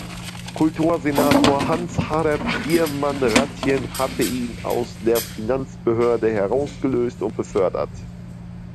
Kultur-Senator Hans-Harder Biermann-Ratjen hatte ihn aus der Finanzbehörde herausgelöst und befördert.